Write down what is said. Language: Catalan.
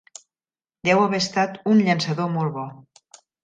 Deu haver estat un llançador molt bo.